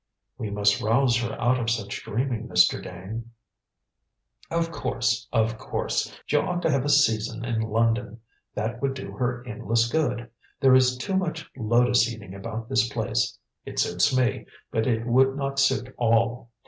"We must rouse her out of such dreaming, Mr. Dane." "Of course; of course! She ought to have a season in London; that would do her endless good. There is too much lotus eating about this place. It suits me, but it would not suit all.